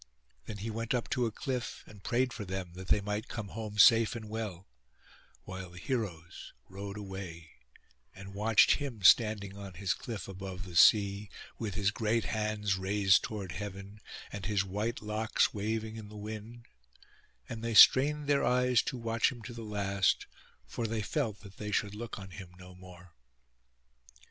Then he went up to a cliff, and prayed for them, that they might come home safe and well; while the heroes rowed away, and watched him standing on his cliff above the sea, with his great hands raised toward heaven, and his white locks waving in the wind; and they strained their eyes to watch him to the last, for they felt that they should look on him no more.